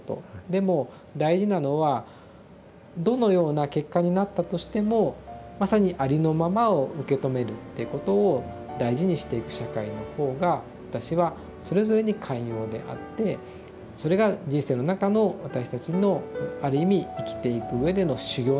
でも大事なのはどのような結果になったとしてもまさにありのままを受け止めるっていうことを大事にしていく社会の方が私はそれぞれに寛容であってそれが人生の中の私たちのある意味生きていくうえでの修行なんではないかなと思ってたりします。